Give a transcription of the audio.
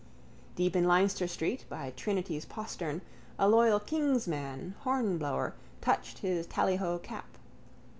Deep in Leinster street by Trinity's postern a loyal king's man, Hornblower, touched his tallyho cap.